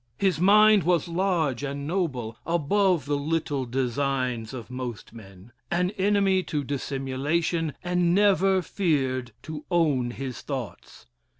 His mind was large and noble above the little designs of most men; an enemy to dissimulation, and never feared to own his thoughts.